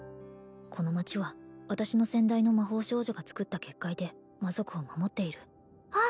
この町は私の先代の魔法少女がつくった結界で魔族を守っているあっ